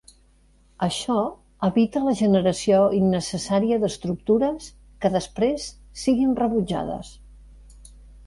Això evita la generació innecessària d'estructures que després siguin rebutjades.